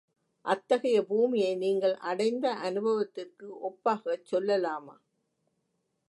அத்தகைய பூமியை நீங்கள் அடைந்த அநுபவத்திற்கு ஒப்பாகச் சொல்லலாமா?